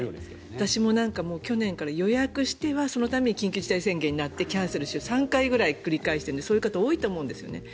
私も、去年から予約してはその度に緊急事態宣言になってキャンセルしてを３回くらい繰り返してそういう方多いと思うんですね。